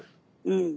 うん。